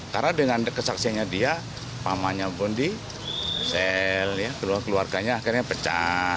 karena dengan kesaksianya dia pamannya pun di sell keluarganya akhirnya pecah